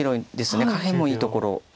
下辺もいいところです。